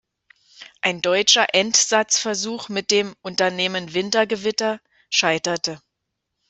Ein deutscher Entsatzversuch mit dem „Unternehmen Wintergewitter“ scheiterte.